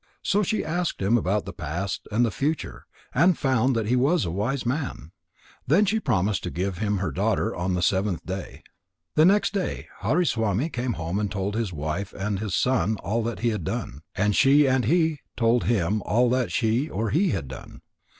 So she asked him about the past and the future, and found that he was a wise man. Then she promised to give him her daughter on the seventh day. The next day Hariswami came home and told his wife and his son all that he had done. And she and he each told him all that she or he had done.